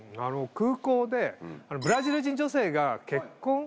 空港でブラジル人女性が結婚。